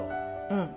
うん。